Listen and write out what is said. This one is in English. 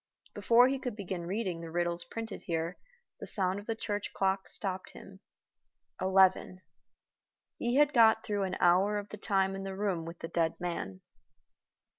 Before he could begin reading the riddles printed here the sound of the church clock stopped him. Eleven. He had got through an hour of the time in the room with the dead man.